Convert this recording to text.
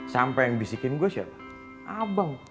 sampai yang bisikin gue siapa abang